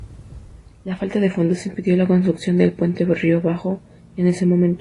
La falta de fondos impidió la construcción del puente río abajo en ese momento.